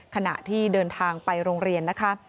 ขณะที่เดินทางไปโรงเรียนนะคะ